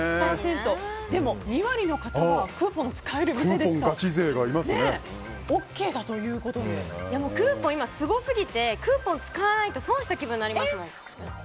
でも２割の方はクーポンの使えるお店でクーポン今すごすぎてクーポン使わないと損した気分になりますもん。